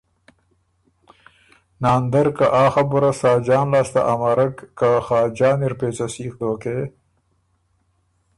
ناندر که آ خبُره ساجان لاسته امرک که ”خاجان اِر پېڅه سیخ دوکې“